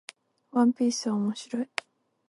ワンピースは面白い